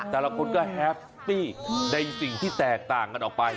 แต่ละคนก็แฮปปี้ในสิ่งที่แตกต่างกันออกไป